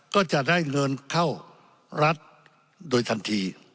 ก็จะได้เงินเข้ารัฐโดยทันที